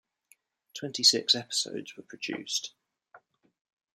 Twenty-six episodes were produced.